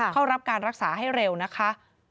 เข้ารับการรักษาให้เร็วนะคะ